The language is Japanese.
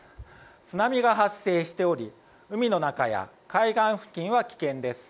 津波が発生しており海の中や海岸付近は危険です。